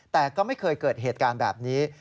แต่ก็ไม่เคยเกิดเหตุการณ์แบบนี้